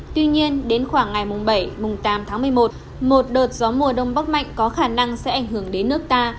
tuy nhiên đến khoảng ngày bảy tám tháng một mươi một một đợt gió mùa đông bắc mạnh có khả năng sẽ ảnh hưởng đến nước ta